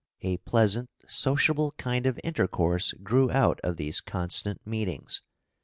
A pleasant sociable kind of intercourse grew out of these constant meetings.